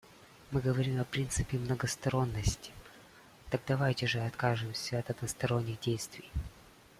Мы говорим о принципе многосторонности; так давайте же откажемся от односторонних действий.